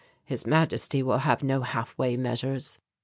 His Majesty will have no half way measures.